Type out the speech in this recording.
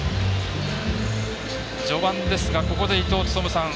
序盤ですが、ここで伊東勤さん